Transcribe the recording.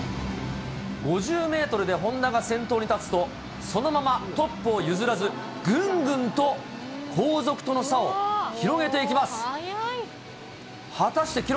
５０メートルで本多が先頭に立つと、そのままトップを譲らず、ぐんぐんと後続との差を広げていきます。